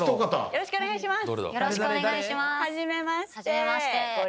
よろしくお願いします